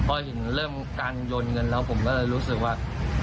พอเห็นเริ่มการโยนเงินแล้วผมก็เลยรู้สึกว่า